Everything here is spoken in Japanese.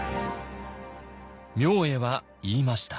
明恵は言いました。